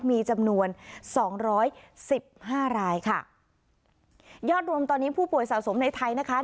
มีจำนวนสองร้อยสิบห้ารายค่ะยอดรวมตอนนี้ผู้ป่วยสะสมในไทยนะคะ